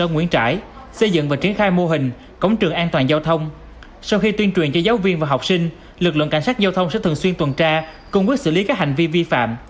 giao thông sẽ thường xuyên tuần tra cung quyết xử lý các hành vi vi phạm